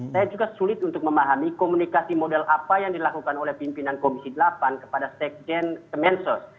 saya juga sulit untuk memahami komunikasi model apa yang dilakukan oleh pimpinan komisi delapan kepada sekjen kemensos